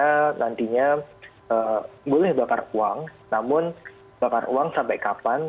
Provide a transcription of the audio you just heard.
karena nantinya boleh bakar uang namun bakar uang sampai kapan